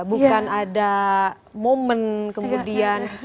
bukan ada momen kemudian